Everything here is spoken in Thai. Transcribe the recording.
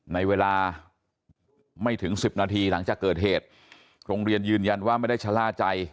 ในเวลาไม่ถึง๑๐นาทีหลังจากเกิดเหตุโรงเรียนยืนยันว่าไม่ได้ชะล่าใจ